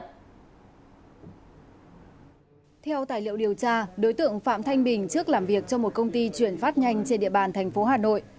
theo tài liệu điều tra đối tượng phạm thanh bình trước làm việc trong một công ty chuyển phát nhanh trên địa bàn thành phố hà nội